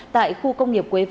tại khu công nghiệp quế võ